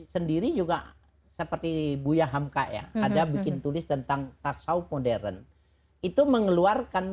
sendiri juga seperti buya hamka ya ada bikin tulis tentang tasaw modern itu mengeluarkan